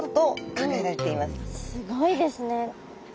すごいですね。